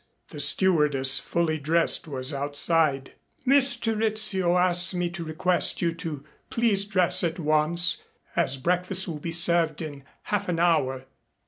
The stewardess fully dressed was outside. "Mr. Rizzio asks me to request you to please dress at once, as breakfast will be served in half an hour."